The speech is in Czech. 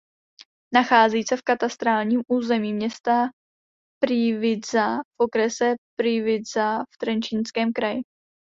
Nachází se v katastrálním území města Prievidza v okrese Prievidza v Trenčínském kraji.